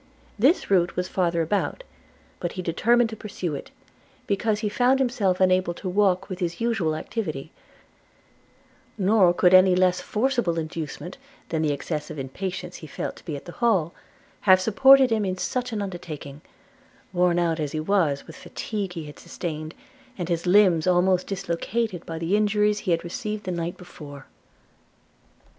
This route was farther about; but he determined to pursue it, because he found himself unable to walk with his usual activity; nor could any less forcible inducement than the excessive impatience he felt to be at the Hall, have supported him in such an undertaking, worn out as he was with the fatigue he had sustained, and his limbs almost dislocated by the injuries he had received the night before.